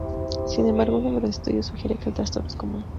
Sin embargo un número de estudios sugiere que el trastorno es común.